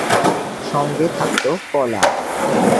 সঙ্গে থাকত কলা।